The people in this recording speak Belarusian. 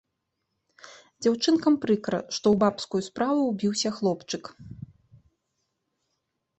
Дзяўчынкам прыкра, што ў бабскую справу ўбіўся хлопчык.